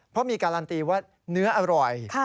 เพราะมีการันตีว่าเนื้ออร่อย